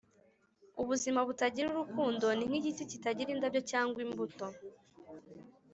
“ubuzima butagira urukundo ni nk'igiti kitagira indabyo cyangwa imbuto.”